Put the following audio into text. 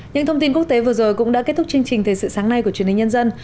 những thông tin quốc tế vừa rồi cũng đã kết thúc chương trình thời sự sáng nay của truyền hình nhân dân